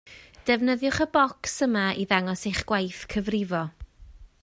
Defnyddiwch y bocs yma i ddangos eich gwaith cyfrifo